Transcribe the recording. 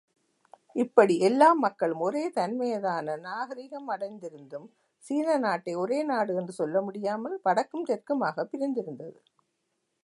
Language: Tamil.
இப்படி எல்லா மக்களும் ஒரே தன்மையதான நாகரிகமடைந்திருந்தும் சீன நாட்டை ஒரேநாடு என்று சொல்லமுடியாமல் வடக்கும் தெற்குமாகப் பிரிந்திருந்தது.